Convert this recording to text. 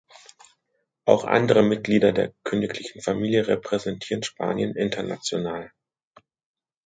Auch andere Mitglieder der königlichen Familie repräsentieren Spanien international.